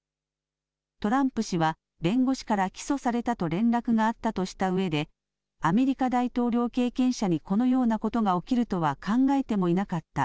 トランプ氏は弁護士から起訴されたと連絡があったとしたうえでアメリカ大統領経験者にこのようなことが起きるとは考えてもいなかった。